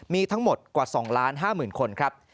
มีทั้งหมดกว่า๒๕๐๐๐คนครับ